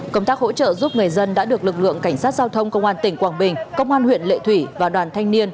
công tác hỗ trợ giúp người dân đã được lực lượng cảnh sát giao thông công an tỉnh quảng bình công an huyện lệ thủy và đoàn thanh niên